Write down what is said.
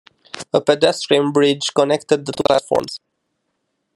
A pedestrian bridge connected the two platforms.